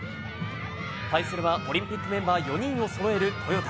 対するはオリンピックメンバー４人をそろえるトヨタ。